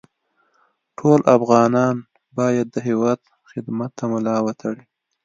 ټول افغانان باید د هېواد خدمت ته ملا وتړي